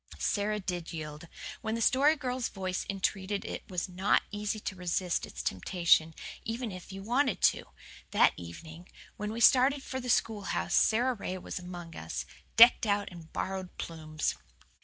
Sara did yield. When the Story Girl's voice entreated it was not easy to resist its temptation, even if you wanted to. That evening, when we started for the schoolhouse, Sara Ray was among us, decked out in borrowed plumes.